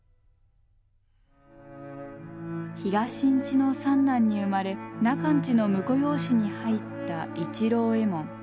東の家の三男に生まれ中の家の婿養子に入った市郎右衛門。